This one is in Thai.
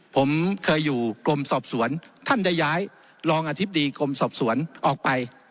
ผมเคยอยู่กรมสอบสวนท่านได้ย้ายรองอธิบดีกรมสอบสวนออกไป